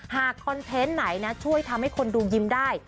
หากคอนเทนต์ใหนซ่วยให้คนดูยิ้มได้